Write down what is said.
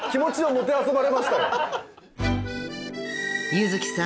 ［柚月さん